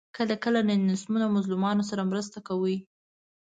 کله کله له نیستمنو او مظلومانو سره مرسته کوي.